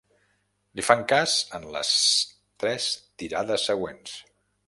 Li fan cas en les tres tirades següents.